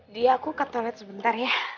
dia aku ke toilet sebentar ya